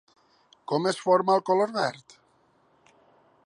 Com es forma el color verd?